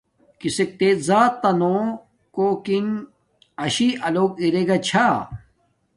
کسک تے زات زورتنا کوکن شی لوواکا دگا چھا کا؟